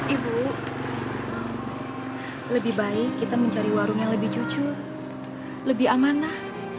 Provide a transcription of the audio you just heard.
ibu lebih baik kita mencari warung yang lebih cucu lebih amanah